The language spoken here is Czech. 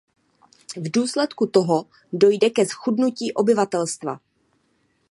V důsledku toho dojde ke zchudnutí obyvatelstva.